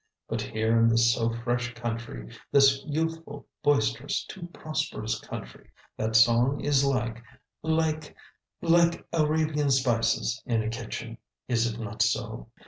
But here in this so fresh country, this youthful, boisterous, too prosperous country, that song is like like like Arabian spices in a kitchen. Is it not so?"